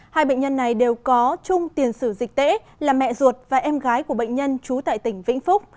hai bệnh nhân này đều có chung tiền sử dịch tễ là mẹ ruột và em gái của bệnh nhân trú tại tỉnh vĩnh phúc